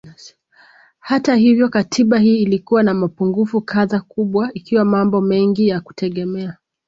Hata hivyo Katiba hii ilikuwa na mapungufu kadhaa kubwa ikiwa mambo mengi ya kutegemea